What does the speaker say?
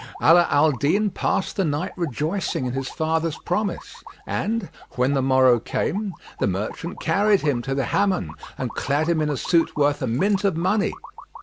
Ala al Din passed the night rejoicing in his father's promise and, when the morrow came, the merchant carried him to the Hammam and clad him in a suit worth a mint of money.